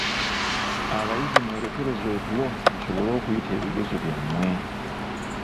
Abayizi, mwerekereze otulo musobole okuyita ebigezo byammwe..